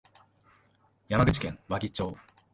山口県和木町